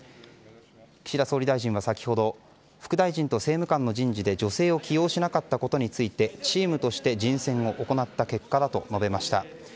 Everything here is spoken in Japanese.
岸田総理大臣は先ほど副大臣と政務官の人事で女性を起用しなかったことについてチームとして人選を行った結果だと述べました。